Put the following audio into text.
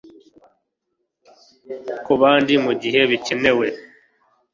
Kubandi mugihe bikenewe